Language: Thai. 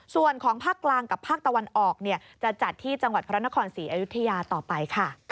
ส่วนของภาคกลางกับภาคตะวันออกจะจัดที่จังหวัดพระนครศรีอยุธยาต่อไปค่ะ